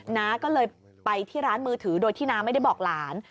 น้าก็เลยไปที่ร้านมือถือโดยที่น้าไม่ได้บอกหลาน